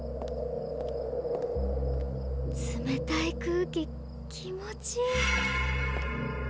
冷たい空気気持ちいい。